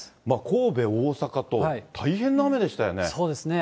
神戸、大阪と大変な雨でしたそうですね。